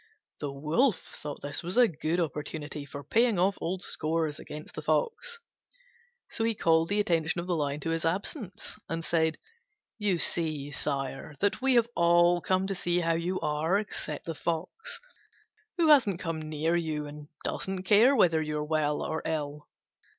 The Wolf thought this was a good opportunity for paying off old scores against the Fox, so he called the attention of the Lion to his absence, and said, "You see, sire, that we have all come to see how you are except the Fox, who hasn't come near you, and doesn't care whether you are well or ill."